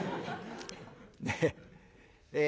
ねえ。